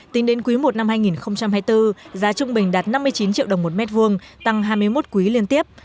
tính đến quý i năm hai nghìn hai mươi bốn giá trung bình đạt năm mươi chín triệu đồng một mét vuông tăng hai mươi một quý liên tiếp